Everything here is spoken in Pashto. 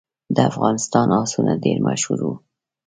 د افغانستان آسونه ډیر مشهور وو